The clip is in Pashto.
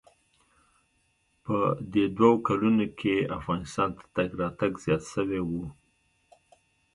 په دې دوو کلونو کښې افغانستان ته تگ راتگ زيات سوى و.